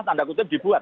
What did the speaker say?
tanda kutip dibuat